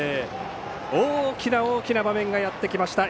大きな大きな場面がやってきました。